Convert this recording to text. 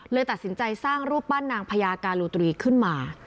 ตัดสินใจสร้างรูปปั้นนางพญาการูตรีขึ้นมา